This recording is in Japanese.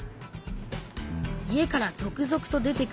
家から続々と出てくる人たち。